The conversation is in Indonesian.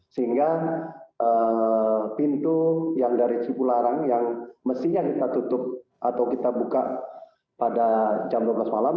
sehingga pintu yang dari cipularang yang mestinya kita tutup atau kita buka pada jam dua belas malam